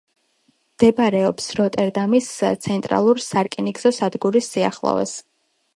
მდებარეობს როტერდამის ცენტრალური სარკინიგზო სადგურის სიახლოვეს.